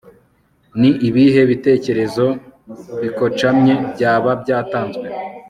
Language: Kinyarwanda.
ni ibihe bitekerezo bikocamye, byaba byatanzwe